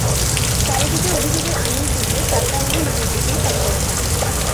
কারো দিকে অভিযোগের আঙুল তুললে, চারটা আঙুল নিজের দিকেই তাঁক করা থাকে।